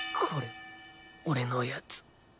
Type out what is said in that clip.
これ俺のやつ。